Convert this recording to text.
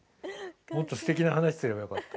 もっとすてきな話すればよかった。